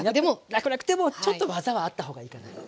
らくらくでもちょっと技はあった方がいいかなと。